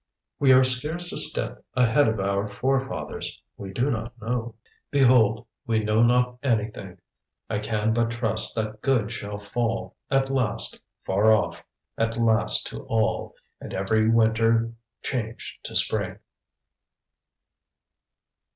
"_ We are scarce a step ahead of our forefathers. We do not know. _"Behold, we know not anything; I can but trust that good shall fall At last far off at last to all, And every winter change to spring."